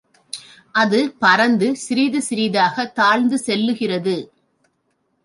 அது பரந்து சிறிது சிறிதாகத் தாழ்ந்து செல்லுகிறது.